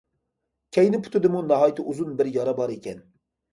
كەينى پۇتىدىمۇ ناھايىتى ئۇزۇن بىر يارا بار ئىكەن.